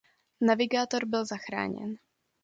Navigátor byl zachráněn.